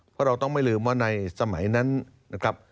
เพราะเราต้องไม่ลืมว่าในสมัยนั้นนะครับ